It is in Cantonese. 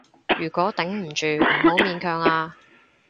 如果頂唔住，唔好勉強啊